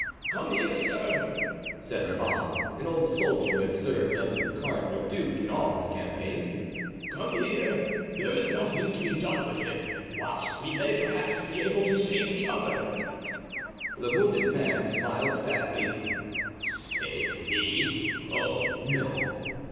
"Come here, sir," said Urban, an old soldier who had served under the cardinal duke in all his campaigns; "come here, there is nothing to be done with him, whilst we may perhaps be able to save the other." The wounded man smiled sadly. "Save me! Oh, no!"